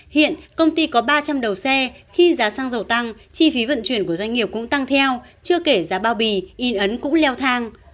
hiện công ty có ba trăm linh đầu xe khi giá xăng dầu tăng chi phí vận chuyển của doanh nghiệp cũng tăng theo chưa kể giá bao bì in ấn cũng leo thang